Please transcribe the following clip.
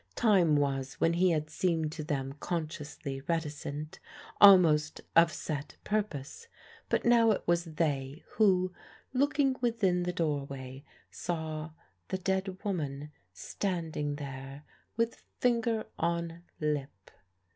Time was when he had seemed to them consciously reticent, almost of set purpose; but now it was they who, looking within the doorway, saw the dead woman standing there with finger on lip.